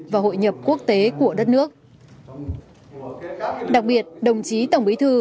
và hội nhập quốc tế của đất nước đặc biệt đồng chí tổng bí thư